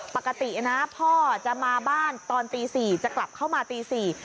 ปกตินะพ่อจะมาบ้านตอนตี๔จะกลับเข้ามาตี๔